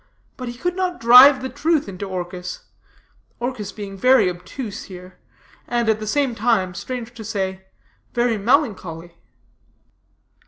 But he could not drive the truth into Orchis Orchis being very obtuse here, and, at the same time, strange to say, very melancholy.